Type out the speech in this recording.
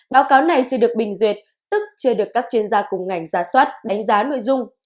báo cáo này chưa được bình duyệt tức chưa được các chuyên gia cùng ngành giả soát đánh giá nội dung